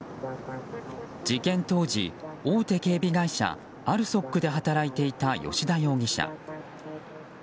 事件当時、大手警備会社ＡＬＳＯＫで働いていた吉田容疑者。